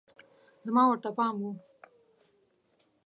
زما ورته پام و